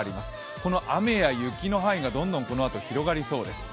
この雨や雪の範囲がどんどんこのあと、広がりそうです。